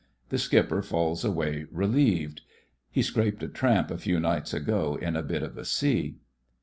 The skipper falls away relieved. (He scraped a tramp a few nights ago in a bit of a sea.)